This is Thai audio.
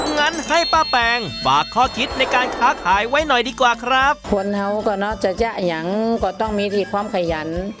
งั้นให้ป้าแปงฝากข้อคิดในการค้าขายไว้หน่อยดีกว่าครับควรเห่าก็น่าจะจะยังก็ต้องมีที่ความขยัน